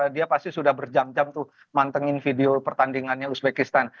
dia pasti sudah berjam jam tuh mantengin video pertandingannya uzbekistan